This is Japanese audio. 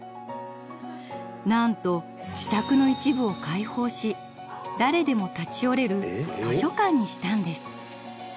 なんと自宅の一部を開放し誰でも立ち寄れる図書館にしたんです。